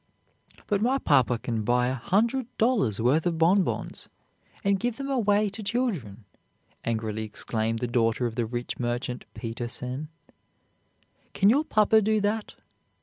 "But my papa can buy a hundred dollars' worth of bonbons, and give them away to children," angrily exclaimed the daughter of the rich merchant Peter_sen_. "Can your papa do that?"